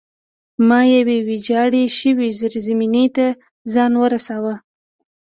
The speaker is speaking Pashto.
ما یوې ویجاړې شوې زیرزمینۍ ته ځان ورساوه